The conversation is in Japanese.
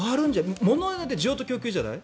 ものって需要と供給じゃない？